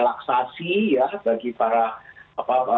sudah segera bisa membelanjakan